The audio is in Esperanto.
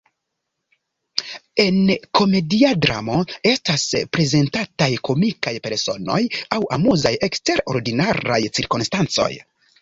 En komedia dramo estas prezentataj komikaj personoj aŭ amuzaj eksterordinaraj cirkonstancoj.